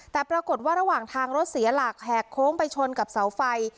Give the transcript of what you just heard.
แต่ปรากฏว่าระหว่างทางรถเสียหลักแหกโค้งไปชนกับเสาไฟ